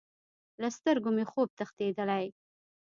له سترګو مې خوب تښتیدلی